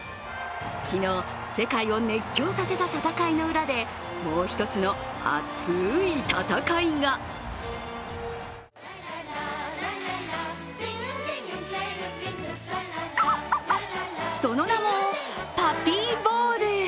昨日、世界を熱狂させた戦いの裏でもう一つの熱い戦いがその名もパピーボウル。